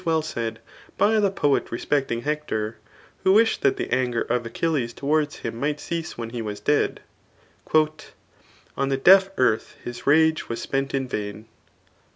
wiell said by the pbet Mspect^ jlig Hector^ who wditd thati the atiger of JkcUlies towards him might ceaae when he n^s dead^ On tbe deaf earth his rage was spent in yain.